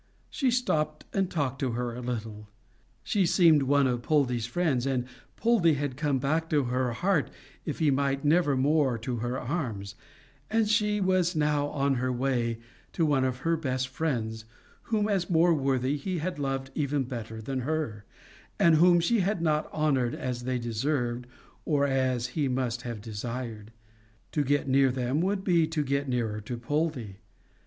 She stopped and talked to her a little. She seemed one of Poldie's friends, and Poldie had come back to her heart if he might never more to her arms, and she was now on her way to one of his best friends, whom, as more worthy, he had loved even better than her, and whom she had not honoured as they deserved or as he must have desired. To get near them, would be to get nearer to Poldie.